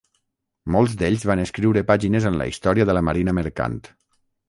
Molts d'ells van escriure pàgines en la història de la marina mercant.